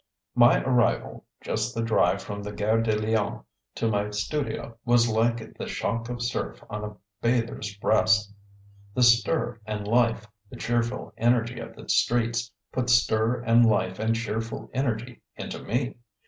My arrival just the drive from the Gare de Lyon to my studio was like the shock of surf on a bather's breast. The stir and life, the cheerful energy of the streets, put stir and life and cheerful energy into me.